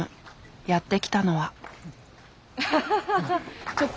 やって来たのは。